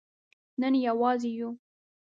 نن یوازې یو